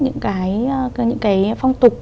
những cái phong tục